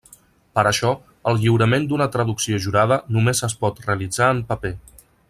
Per això, el lliurament d'una traducció jurada només es pot realitzar en paper.